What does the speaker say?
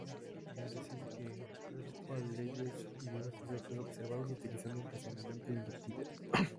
Es decir que redujo a leyes los diversos hechos observados utilizando un razonamiento inductivo.